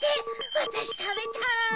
わたしたべたい！